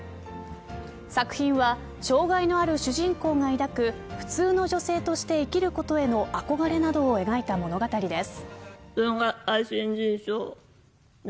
作品は、障害のある主人公が抱く普通の女性として生きることへの憧れなどを描いた物語です。